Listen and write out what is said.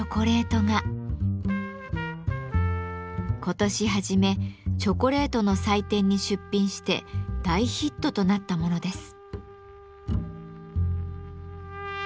今年初めチョコレートの祭典に出品して大ヒットとなったものです。